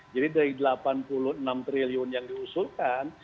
jadi dari delapan puluh enam triliun yang diusulkan